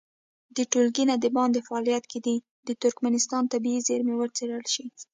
د ټولګي نه د باندې فعالیت کې دې د ترکمنستان طبیعي زېرمې وڅېړل شي.